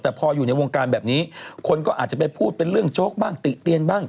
แต่พออยู่ในวงการแบบนี้คนก็อาจจะไปพูดเป็นเรื่องโจ๊กบ้างติเตียนบ้าง